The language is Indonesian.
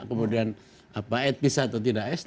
kemudian apa etis atau tidak